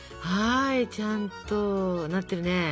はいちゃんとなってるね。